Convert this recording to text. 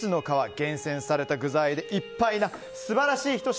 厳選された具材でいっぱいだという素晴らしいひと品。